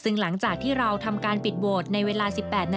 ซึ่งหลังจากที่เราทำการปิดโหวตในเวลา๑๘นาที